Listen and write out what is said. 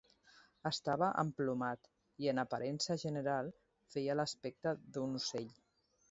Estava emplomat i en aparença general feia l'aspecte d'un ocell.